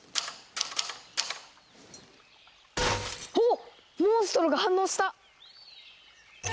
おっモンストロが反応した！